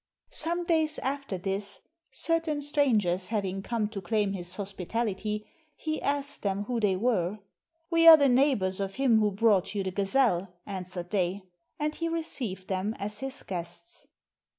Some days after this, certain strangers having come to claim his hospitality, he asked them who they were. "We are the neighbors of him who brought you the gazelle," answered they; and he received them as his guests.